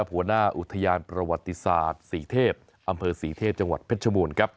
หัวหน้าอุทยานประวัติศาสตร์ศรีเทพอำเภอศรีเทพจังหวัดเพชรบูรณ์ครับ